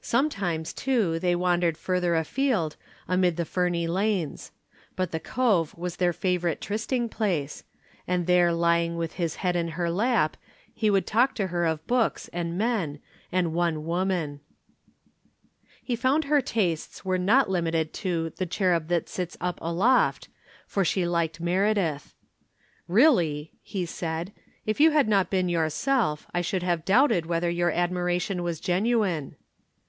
Sometimes, too, they wandered further afield, amid the ferny lanes. But the Cove was their favorite trysting place, and there lying with his head in her lap, he would talk to her of books and men and one woman. [Illustration: Talked to her of books and men and one woman.] He found her tastes were not limited to The Cherub That Sits Up Aloft, for she liked Meredith. "Really," he said, "if you had not been yourself, I should have doubted whether your admiration was genuine."